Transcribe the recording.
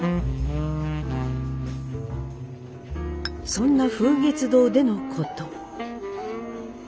そんな風月堂でのこと。